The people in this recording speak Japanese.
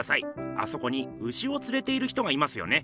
あそこに牛をつれている人がいますよね。